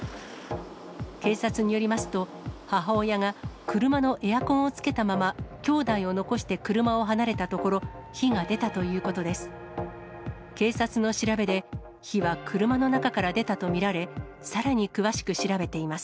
警察によりますと、母親が車のエアコンをつけたまま、兄弟を残して車を離れたところ、火が出たということです。